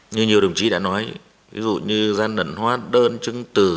như nhiều đồng chí đã nói ví dụ như gian đẩn hoát đơn chứng từ